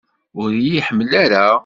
Ur iyi-iḥemmel ara?